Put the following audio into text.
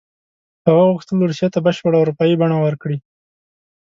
هغه غوښتل روسیې ته بشپړه اروپایي بڼه ورکړي.